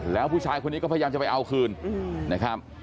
แล้วผู้ชายคนนี้ก็พยายามจะไปเอาคืนนะครับ